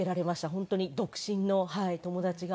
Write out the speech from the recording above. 本当に独身の友達が。